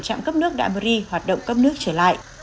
trạm cấp nước đạm rê hoạt động cấp nước trở lại